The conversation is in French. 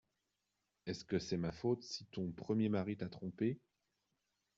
Est-ce que c’est ma faute si ton premier mari t’a trompée ?